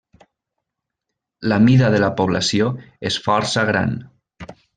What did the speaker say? La mida de la població és força gran.